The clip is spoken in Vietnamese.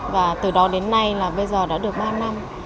và từ đó đến nay là bây giờ đã được ba năm